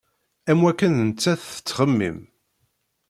Am wakken nettat tettxemmim.